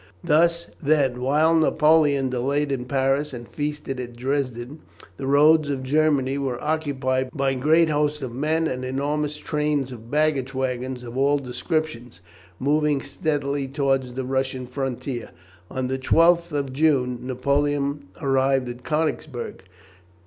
Thus, then, while Napoleon delayed in Paris and feasted at Dresden, the roads of Germany were occupied by great hosts of men and enormous trains of baggage waggons of all descriptions, moving steadily towards the Russian frontier. On the 12th of June Napoleon arrived at Konigsberg.